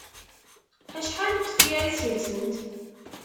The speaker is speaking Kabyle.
Acḥal n tefyar i skelsent?